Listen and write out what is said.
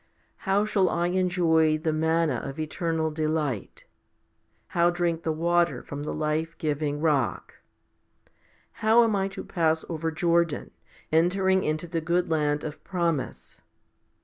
How shall I enjoy the manna of eternal delight ? how drink the water from the life giving rock ? How am I to pass over Jordan, entering into the good land of promise?